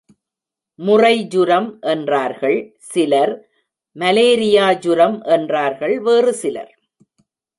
முறை ஜூரம் என்றார்கள் சிலர் மலைரியா ஜுரம் என்றார்கள் வேறு சிலர்.